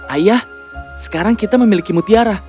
ayah sekarang kita memiliki mutiara